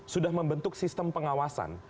sudah membentuk sistem pengawasan